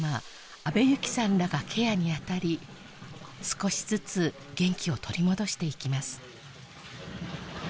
安部由起さんらがケアにあたり少しずつ元気を取り戻していきます